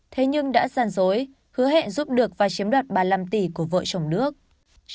thế nhưng đã giàn dối hứa hẹn giúp được và chiếm đoạt ba mươi năm tỷ của vợ chồng đức